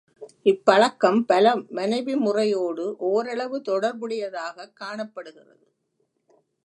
இப்பழக்கம் பல மனைவி முறையோடு ஓரளவு தொடர்புடையதாகக் காணப்படுகிறது.